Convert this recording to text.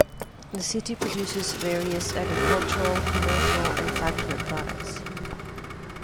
The city produces various agricultural, commercial, and factory products.